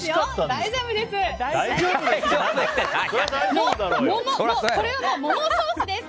大丈夫です。